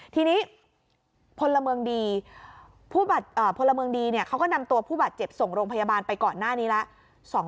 ทีนี้พลเมืองดีพลเมืองดีเขาก็นำตัวผู้บาดเจ็บส่งโรงพยาบาลไปก่อนหน้านี้แล้ว